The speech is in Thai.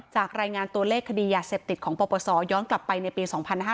รายงานตัวเลขคดียาเสพติดของปปศย้อนกลับไปในปี๒๕๕๙